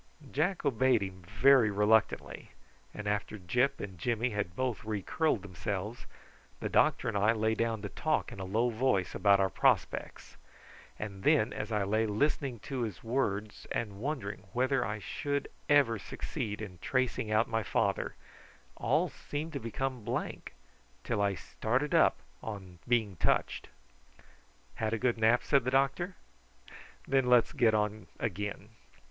Jack obeyed him very reluctantly, and after Gyp and Jimmy had both re curled themselves, the doctor and I lay down to talk in a low voice about our prospects, and then as I lay listening to his words, and wondering whether I should ever succeed in tracing out my father, all seemed to become blank, till I started up on being touched. "Had a good nap?" said the doctor. "Then let's get on again."